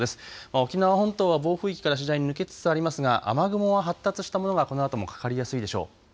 沖縄本島は暴風域から次第に抜けつつありますが雨雲は発達したものがこのあともかかりやすいでしょう。